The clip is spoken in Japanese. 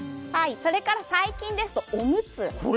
それから最近ですと、おむつ。